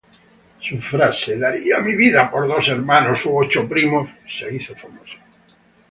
Su frase "Daría mi vida por dos hermanos u ocho primos" se hizo famosa.